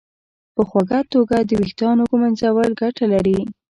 په خوږه توګه د ویښتانو ږمنځول ګټه لري.